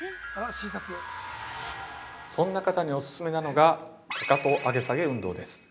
そんな方にお勧めなのがかかと上げ下げ運動です。